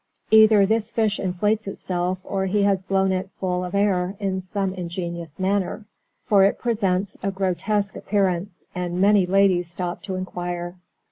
Either this fish inflates itself or he has blown it full of air in some ingenious manner, for it presents a grotesque appearance, and many ladies stop to inquire.